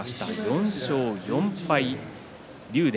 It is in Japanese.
４勝４敗、竜電。